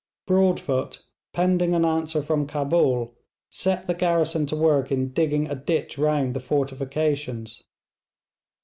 Broadfoot, pending an answer from Cabul, set the garrison to work in digging a ditch round the fortifications.